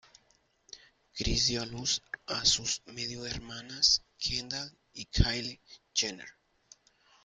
Kris dio a luz a sus medio-hermanas, Kendall y Kylie Jenner.